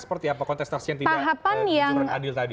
seperti apa kontestasi yang tidak adil tadi